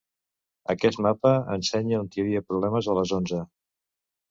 Aquest mapa ensenya on hi havia problemes a les onze.